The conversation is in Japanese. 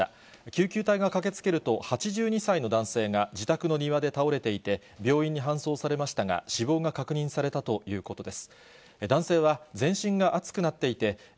救急隊が駆けつけると、８２歳の男性が自宅の庭で倒れていて、病院に搬送されましたが、死亡が確認されたということです。